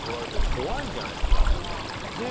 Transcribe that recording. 怖いじゃないですか。